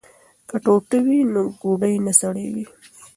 که ټوټه وي نو ګوډی نه سړیږي.